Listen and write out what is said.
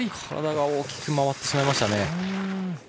体が大きく回ってしまいました。